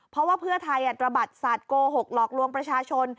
เพราะว่าเพื่อไทยตระบัดสัตว์โกหกหลอกลวงประชาชน